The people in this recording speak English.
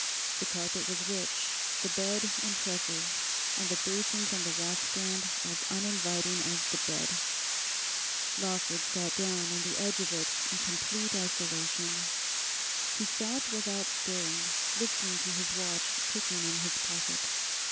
The carpet was rich, the bed impressive, and the basins on the washstand as uninviting as the bed. Lawford sat down on the edge of it in complete isolation. He sat without stirring, listening to his watch ticking in his pocket.